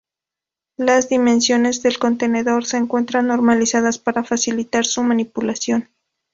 Las dimensiones del contenedor se encuentran normalizadas para facilitar su manipulación.